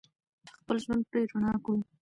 خپل ژوند پرې رڼا کړو.